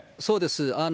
そうです。